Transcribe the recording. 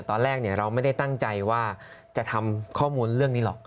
ตอนแรกเราไม่ได้ตั้งใจว่าจะทำข้อมูลเรื่องนี้หรอก